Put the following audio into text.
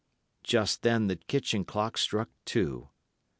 Just then the kitchen clock struck two.